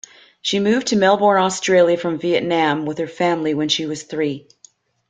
She moved to Melbourne, Australia, from Vietnam with her family when she was three.